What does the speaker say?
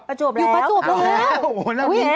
ประจวบแล้วอยู่ประจวบแล้ว